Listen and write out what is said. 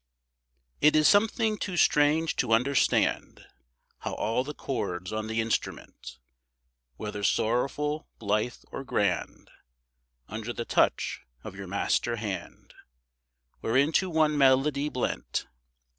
It is something too strange to understand, How all the chords on the instrument, Whether sorrowful, blithe, or grand, Under the touch of your master hand Were into one melody blent.